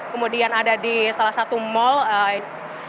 kemudian ada di salah satu mall